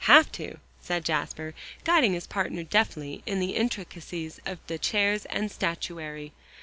"Have to," said Jasper, guiding his partner deftly in the intricacies of the chairs and statuary.